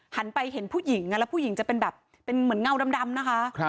หันไปเห็นผู้หญิงแล้วผู้หญิงจะเป็นแบบเป็นเหมือนเงาดำนะคะ